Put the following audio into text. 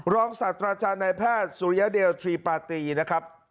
ศาสตราจารย์นายแพทย์สุริยเดลทรีปาตีนะครับ